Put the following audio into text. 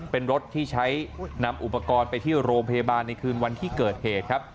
เป็นรถที่ใช้นำอุปกรณ์ไปที่โรงพยาบาลในคืนวันที่เกิดเหตุครับ